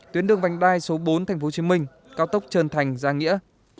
tuyến đường vành đai số bốn tp hcm cao tốc trần thành giang nghĩa